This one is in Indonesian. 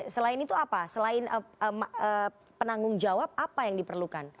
selain itu apa selain penanggung jawab apa yang diperlukan